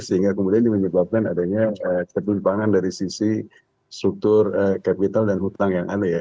sehingga kemudian ini menyebabkan adanya ketumpangan dari sisi struktur kapital dan hutang yang aneh ya